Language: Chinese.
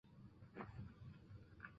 从事动画制作时别名哲夫。